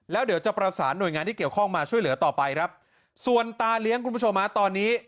แล้วเดี๋ยวจะประสานหน่วยงานที่เกี่ยวข้องมาช่วยเหลือต่อไปครับส่วนตาเลี้ยงคุณผู้ชมฮะตอนนี้